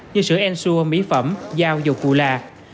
như sữa ensure mỹ phẩm dao dầu cụ là